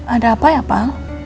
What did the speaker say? ada apa ya pak